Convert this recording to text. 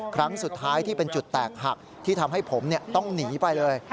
ครั้งสุดท้ายที่เป็นจุดแตกหักที่ทำให้ผมต้องหนีไปเลย